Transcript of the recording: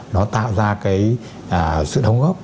nó tạo ra cái sự đồng góp